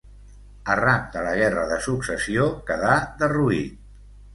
Arran de la guerra de successió quedà derruït.